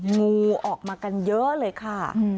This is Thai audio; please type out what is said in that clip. งูออกมากันเยอะเลยค่ะ